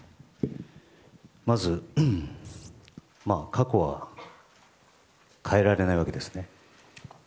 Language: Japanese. まず過去は変えられないわけですね。